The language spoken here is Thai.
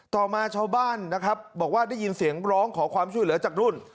ต่อมาชาวบ้านนะครับบอกว่าได้ยินเสียงร้องขอความช่วยเหลือจากรุ่น